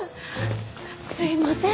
すいません